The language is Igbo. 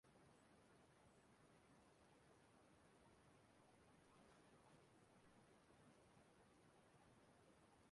E Jidela Nwa Ahọ Iri Na Atọ Na-Ezu Ohi n'Awka